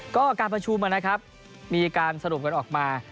ก็การประชุมนะครับมีการสรุปกันออกมา